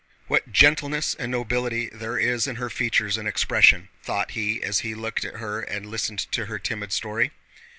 What gentleness and nobility there are in her features and expression!" thought he as he looked at her and listened to her timid story.